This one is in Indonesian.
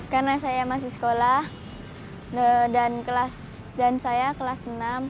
karena saya masih sekolah dan saya kelas enam